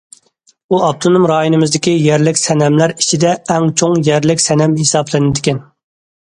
ئۇ ئاپتونوم رايونىمىزدىكى يەرلىك سەنەملەر ئىچىدە ئەڭ چوڭ يەرلىك سەنەم ھېسابلىنىدىكەن.